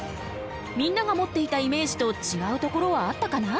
みんなが持っていたイメージとちがうところはあったかな？